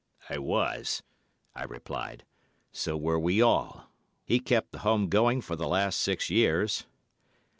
"'I was,' I replied. 'So were we all. He kept the home going for the last six years.